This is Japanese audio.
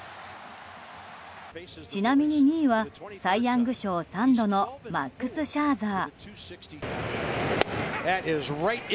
ちなみに２位はサイ・ヤング賞３度のマックス・シャーザー。